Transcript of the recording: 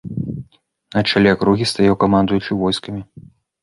На чале акругі стаяў камандуючы войскамі.